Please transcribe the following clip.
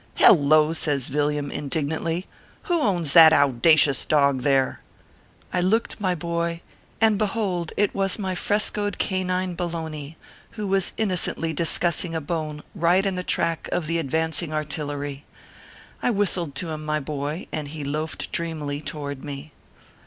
Hello !" says Villiam, indignantly, "Who owns that owda cious dog there ?" I looked, my boy, and behold it was my frescoed canine, Bologna, who was innocently discussing a bone right in the track of the advancing artillery. I whistled to him, my boy, and he loafed dreamily toward me.